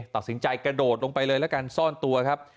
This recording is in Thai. ตัดสินใจกระโดดลงไปเลยแล้วกันซ่อนตัวครับ